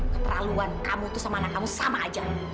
keterlaluan kamu itu sama anak kamu sama aja